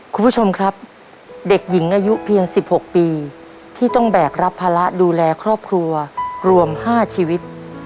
คุณผู้ชมครับเด็กหญิงอายุเพียง๑๖ปีที่ต้องแบกรับภาระดูแลครอบครัวรวม๕ชีวิต